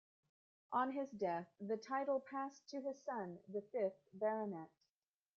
On his death the title passed to his son, the fifth Baronet.